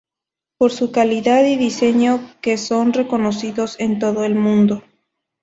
Por su calidad y diseño que son reconocidos en todo el mundo.